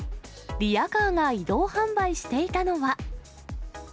リヤカーが移動販売していたのは。